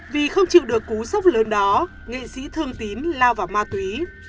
vì không chịu được cú sốc lớn đó nghệ sĩ thương tín lao vào ma túy